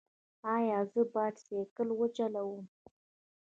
ایا زه باید سایکل وچلوم؟